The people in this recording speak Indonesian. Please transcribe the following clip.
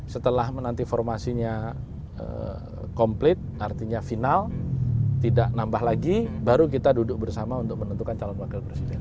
setelah menanti formasinya komplit artinya final tidak nambah lagi baru kita duduk bersama untuk menentukan calon wakil presiden